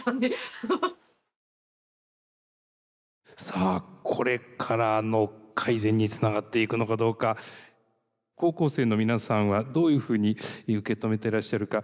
さあこれからの改善につながっていくのかどうか高校生の皆さんはどういうふうに受け止めてらっしゃるか？